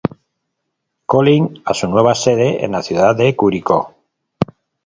Colín a su nueva sede en la ciudad de Curicó.